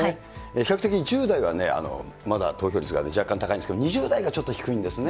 比較的１０代がね、まだ投票率が若干高いんですけど、２０代がちょっと低いんですね。